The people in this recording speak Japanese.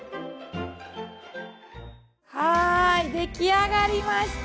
はい出来上がりました。